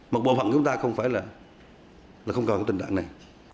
một bộ phận của chúng ta không phải là là không còn cái tình trạng này